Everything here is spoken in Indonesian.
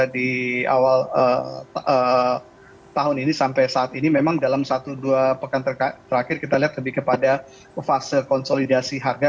di awal tahun ini sampai saat ini memang dalam satu dua pekan terakhir kita lihat lebih kepada fase konsolidasi harga